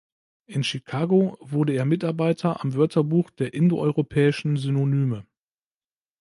In Chicago wurde er Mitarbeiter am Wörterbuch der Indoeuropäischen Synonyme.